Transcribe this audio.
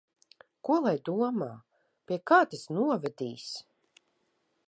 Ko lai domā? Pie kā tas novedīs?